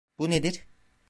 Bu nedir?